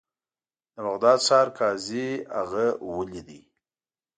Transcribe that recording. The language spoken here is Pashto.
د بغداد ښار قاضي هغه ولید.